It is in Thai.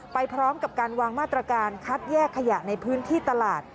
ไปพร้อมกับการวางมาตรการคัดแยกขยะในพื้นที่ตลาด